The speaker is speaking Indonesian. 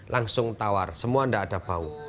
langsung tawar semua tidak ada bau